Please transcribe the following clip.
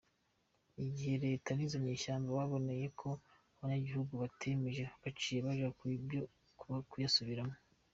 Igihe reta n'izo nyeshamba baboneye ko abanyagihugu batayemeje, baciye baja mu vyo kuyasubiramwo.